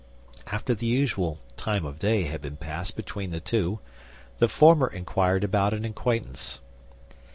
After the usual "time of day" had been passed between the two, the former inquired about an acquaintance.